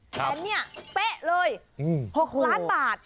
แต่เนี่ยเป๊ะเลย๖ล้านบาท